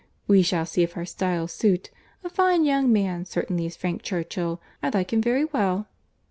—We shall see if our styles suit.—A fine young man certainly is Frank Churchill. I like him very well."